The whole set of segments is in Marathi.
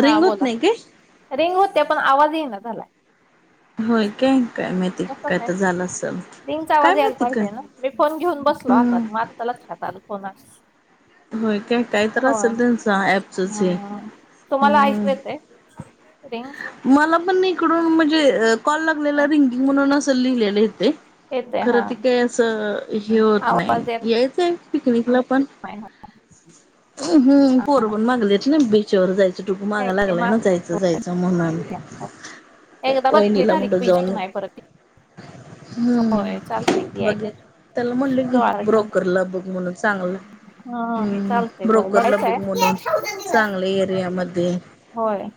हा बोला रिंग होत्या पण आवाज ईना झालाय होय काय, काय माहित कस काय रिंगचा आवाज यायला पाहिजे ना मी फोन घेऊन बसलो हातात मग आत्ता लक्षात आलं [unintelligible] हो ह तुम्हाला आइस ऐकू येतंय रिंग मला पण इकडून म्हणजे कॉल लागलेला रिंगिंग म्हणून असं लिहिलेले येतय खरं त काही असं हे होत नाही यायच आहे पिकनिकला पण हम्म पोरं पण लागलेत ना बिल शवर जायचं टुक मागं लागलंय ना जायचं, जायचं म्हणून [inaudible] एकदा बसली झाली की बिजून नाय परत ती हम्म बघ त्याला म्हटलं की ब्रोकरला बघ म्हणून सांग हम्म ब्रोकरला बघ म्हणून चांगल्या एरिया मध्ये होय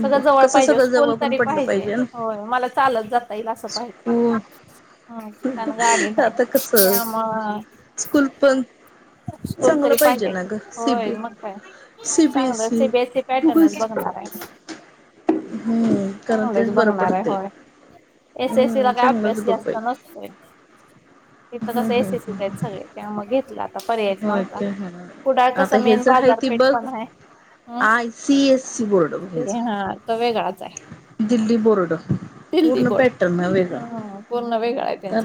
सगळं जवळ पाहिजे स्कूल तरी पाहिजे होय मला चालत जाता येईल असं पाहिजे ह पण गाडी नाही त्यामुळं स्कूल पण स्कूल तरी पाहिजे होय मग काय चांगलं सीबीएससी पॅटर्नच बघणार आहे चांगलंच बघणार आहे होय एससी ला काय अभ्यास जास्त नसतोय तिथं कसं एसीसी सगळे त्या मग घेतलं आता पर्यायच नव्हता कुडाळ कस मेन बाजारपेठ पण आहे हम ते हा तो वेगळाच आहे दिल्ली बोर्ड पूर्ण पॅटन वेगळा ह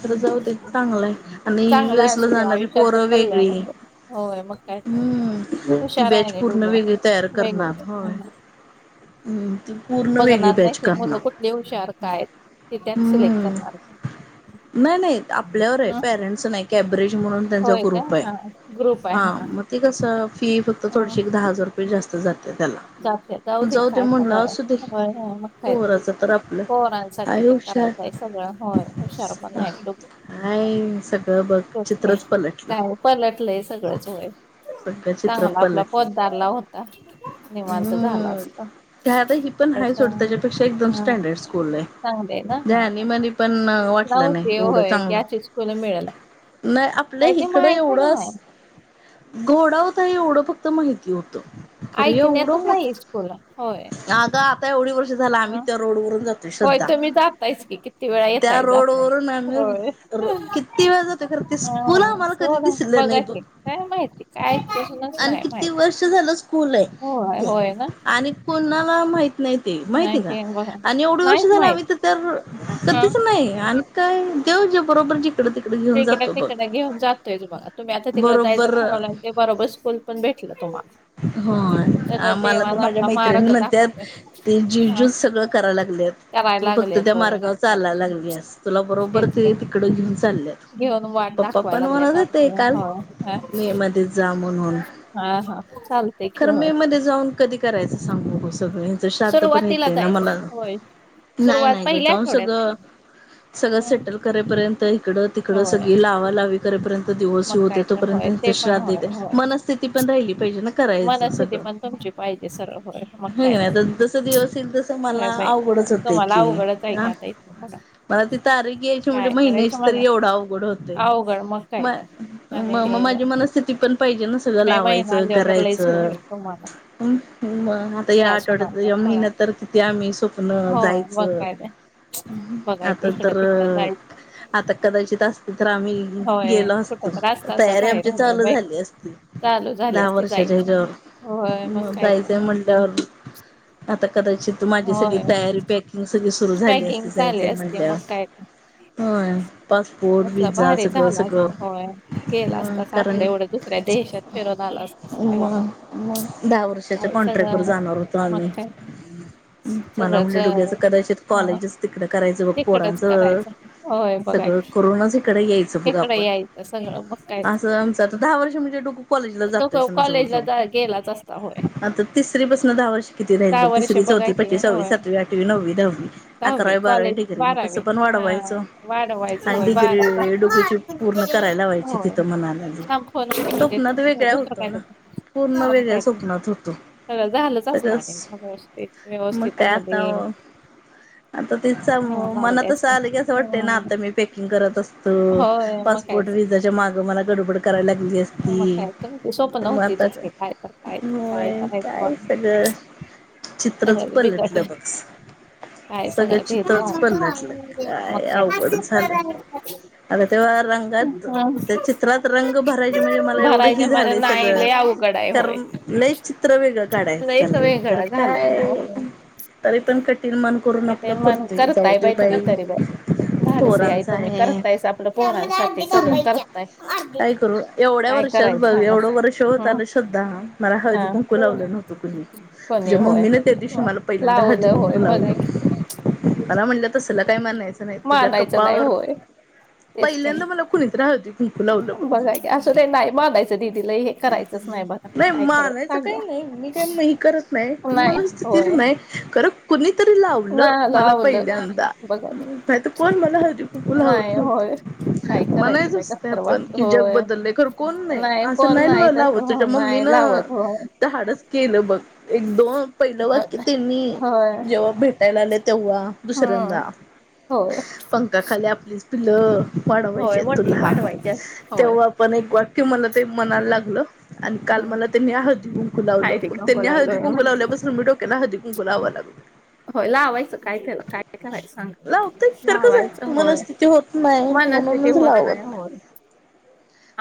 खरं जाऊ दे चांगलंय आणि [unintelligible] जाणारी पोरं वेगळी हम्म ती बॅच पूर्ण वेगळी तयार करणार होय बघणार ते मुल कुठली हुशार काय ती त्यात सिलेक्ट करणार नाही, नाही आपल्यावर आहे पॅरेंट्स नाही कॅप ब्रीज म्हणून त्यांचा ग्रुप आहे हा म ती कसं फी फक्त थोडीशी एक दहा हजार रुपये जास्त जात्या त्याला जात जाऊदे की काय आता होय मग काय तर होय साठी तर करायच आहे सगळ होय हुशार पण आहे डुबू हाय सगळं बघ तेच की काय पलटलंय सगळंच होय चांगला आपला पोतदारला होता निवांत झाला असता ते तर हाय चांगलं ना हा ह नव्हते होय की याचीच फुलं मिळेल नाही आपल्या हीकडं एवढंच घोडा होता आहे एवढं फक्त माहिती होतं खरं एवढं मोठं आग आता एवढी गोष्ट झालं आम्हीं त्यां रोड वूंन दिसतां त्यां रोड वूंन आम्हीं रोड किती वेळं जातं हां बघां सोडां बघां की काय माहिती कायं कोणांला चं नाहीं माहिती हो होयं नां आणि कोणांला माहिती नाहीं ते माहिती आहे कां आणि एवढी वर्ष झालं आम्हीं तरं तरं कधीचं नाहीं आणि कायं देवं जे बरोबर जिकडे तिकडे घेऊंन जातोय तिकडे घेऊंन जातोय ते बघां तुम्हीं आता तिकडे जायचं ठरवलं ते बरोबर स्कूंल पणं भेटलं तुम्हांला हं आम्हांला तरं माझ्या मैत्रिणी म्हणतांत ते जीजूं चं सगळं करायला लागलेत तूं फक्तं त्यां मार्गावर चालां लागलीस तुलां बरोबर ते तिकडं घेऊन चालले आहे पप्पां पणं म्हणतं होते कालं मे मध्येचं जां म्हणूंन हां हां चालं खरं मे मध्यें जाऊंन कधीं करायचं सांग बघुं सगळं श्राद्ध पणं येतं आहे नां मलां नाहीं नाहीं गं जाऊंन सगळं सगळं सेंटल करे पर्यंत इकडं तिकडं सगळी लांवा लांवी पर्यंत दिवसं होते तोपर्यंत त्यां श्राद्ध येते मनस्थिती पणं राहिली करायचं सगळं जसं दिवसं येईल तसं मलां अवघडचं होते की मलां ति तारीख दोन महिन्यांची तरी एवढं अवघंड होते मंग मंग माझी मनःस्थिती पणं पाहिजे नां सगळं लावायचं भांड्यावर तरं लईचं होयं तुम्हांला मं आंता यां आठवड्यांत यां महिन्यांत तरं किती आम्हीं स्वप्नं जायचं तरं आंता कदांचित असते तरं आम्हीं गेलो असतो असतं तयारी आमची चालूं झाली असती दहा वर्षाच्या हेच्यां मले जायचं मले आंता कदांचित माझी सगळी तयारी पॅकिंग मंग सगळी सुरुं झाली असती जायचं म्हटल्यांवर हं पासपोर्ट विझां सगळं सगळं कारणं दुसऱ्यां देशांत फिरवूंन आंला असतं तेवढं कायं सगळं मगं कायं मलां म्हटलं डोग्याचं कदाचितं कॉलेजचं तिथं करायचं बघं पोरांचं सगळं करूंनचं इकडे यायचं बघं आपणं असं आमचं तरं दहा वर्ष म्हणजे डुंपल एकदंम आंता जातां आहे संग संग आता तिसरी पासून गावांची किती राहिलं बघं तिसरी चौथी पाचवी सव्वी सातवी आठवी नववी दहावी अकरावी बारावी बारावे वाढवांयचं होयं होयं थांब फोन करूं देतं दुसरं कायं करूं देतो पूर्ण वेगळ्यां स्वप्नांत होतो सगळं झालंच असतं व्यवस्थित व्यवस्थित अगदीं ते आंता तेचं मनांत तसं आलं की असं वाटतं नां आंता मी पॅकिंग करतं असतो व्हंय मंग कायं तं मागं मलां गडबड करायला लागली असती होयं कायं सगळं चित्रचं पलटलं बघं सगळं सगळं चित्रचं पालटलं कायं अवघंड झालं अता तेव्हा रंगात त्या चित्रात रंग भरायचे म्हणजे मला एवढी झालंय सगळं. कारण लईच चित्र वेगळं काढायच चालंय खरं काय हो. तरी पण कठीण मन करून आपलं करतोय. जाऊ दे बाई धाडसे आहे तुम्ही करतायस आपलं पोरासाठी सगळं करताय काय. बघ एवढं वर्ष होत आलं श्रद्धा. मला हळदी कुंकू लावलं नव्हतं कुणी. तुझ्या मम्मीने त्या दिवशी मला पहिल्यांदा हळदी कुंकू लावल. मला म्हटलं तसला काही मानायचं नाही. तुझ्या कपाळावर पहिल्यांदा मला कुणी तरी हळदी-कुंकू लावलं बघ. असं ते नाही मनायच दिदीला हे. नाही मानायचं काही नाही मी त्यांनाही करत नाही ती मनस्थिती नाही. खरं कुणी तरी लावलं मला पहिल्यांदा. नाही तर कोण मला हळदी कुंकू लावत नवत. म्हणायच असते आपण की जग बदलले ख कोण नाही. असं नाही ल लाव त तुझ्या मम्मीन धाडस केलं बघ. एक-दोन पहिलं वाक्य त्यांनी जेव्हा भेटायला आले तेव्हा दुसऱ्यांदा. होय. पंखाखाली आपलीच पिलं वाढवायची आहेत तुला. तेव्हा पण एक वाक्य मला ते मनाला लागलं. आणि काल मला त्यांनी हळदी-कुंकू लावलं. त्यांनी हळदी-कुंकू लावल्यापासून हळदी-कुंकू लावा लागलो. होय, लावयच काय त्याला काय कराय सांग लावायचं. वय मनस्थिती होत नाही हो.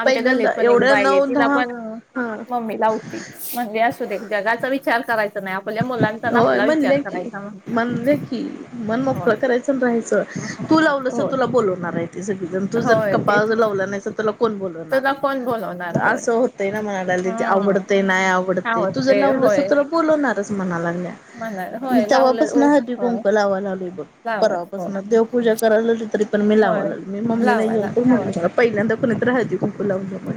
आमच्या गल्लीत पण एक बाई आहे. तिला पण मम्मी लाव मम्मी असू दे जगाचा विचार करायचा होय म्हणले की, म्हणले की, मन मोकळं करायचं. राहायचं. तू लावलं तर तुला बोलणार आहे ते सगळे जन. तू जर कपाळाला जर लावला नाही तु कोण बोलवणार आहे. असं होतंय ना म्हणाली आवडतय नाही आवडत तू जर लावल तर तुला बोलवणार. म्हणायला लागल्या. मी तेव्हापासून हळदी-कुंक लावायला लागली बघ परवापासून देवपूजा कराय लागलो तरी पण मी लावाव लागलो. मी मम्मी येऊन पण म्हटलं पहिल्यांदा कोणी तरी हळदी-कुंकू लावल.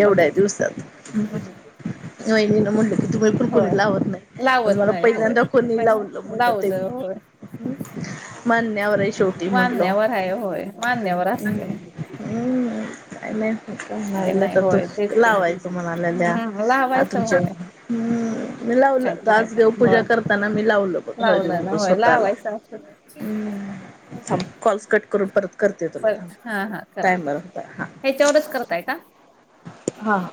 एवढ्या दिवसात. वहिणीन म्हणलं की तुम्ही कोणी लावत नाही आणि मला पहिल्यांदा कोणी लावलं म्हणलं ते. मानण्यावर आहे शेवटी म्हटलो. हम्. का नाही म्हणाला तर त लावायचं म्हणाल्याल्या आ तुमच्या. हम्. मी लावलं. आज देवपूजा करताना मी लावलं बघ हळदी कुंकू स्वतःला‌. [inaudible] स कॉल्स कट करून परत करते तुला थांब टाईम बर होता. हां.